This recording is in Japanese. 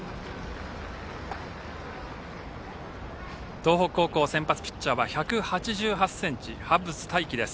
東北高校、先発ピッチャーは１８８ｃｍ、ハッブス大起。